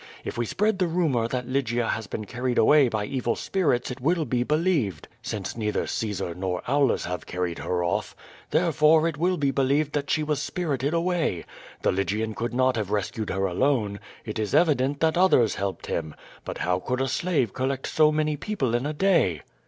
If we spread the rumor that Lygia has been carried away by evil spirits it will be believed, since neither Caesar nor Aulus have curried her off; theref ore. It QVO VADIS. lOi will be believed that she was spirited away. The Lygian could not have rescued her alone. It is evident that others helped him. But how could a slave collect so many people in a day?''